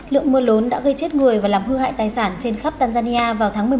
lượng mưa lớn đã gây chết người và làm hư hại tài sản trên khắp tanzania vào tháng một mươi một